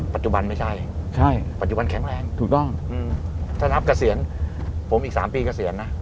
ปัจจุบันไม่ใช่ใช่ปัจจุบันแข็งแรงถูกต้องถ้านับเกษียณผมอีก๓ปีเกษียณนะ